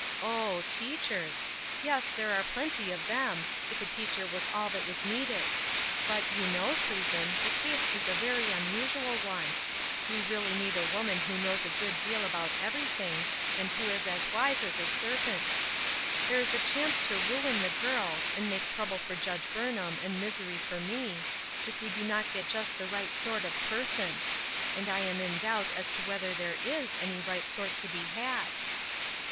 " Oh, teachers. Yes, there are plenty of them, if a teacher was all that was needed. But, you know, Susan, the case is a very unusual one. We really need a woman who knows a good deal about every thing, and who is as wise as a ser " Bitter Sweetr 891 pent. There is a chance to ruip the girls, and make trouble for Judge Burnham and mir>ery for me, if we do not get just the right sort of per son ; and I am in doubt as to whether thare u any right sort to be had."